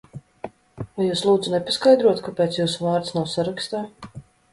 Vai jūs, lūdzu, nepaskaidrotu, kāpēc jūsu vārda nav sarakstā?